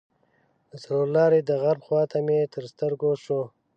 د څلور لارې د غرب خواته مې تر سترګو شو.